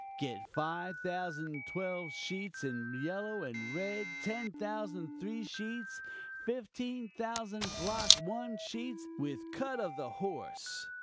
Get five thousand twelve sheets in yellow and red; ten thousand three sheets; fifteen thousand block one sheets with cut of the horse.